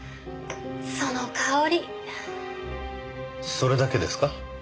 それだけですか？